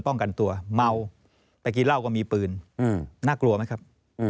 ป้องกันตัวเมาไปกินเหล้าก็มีปืนน่ากลัวไหมครับ